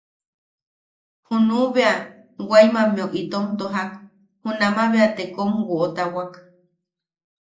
Junuʼu bea Waimammeu itom tojak, junaman bea te kom woʼotawak.